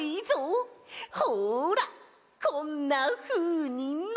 ほらこんなふうにな！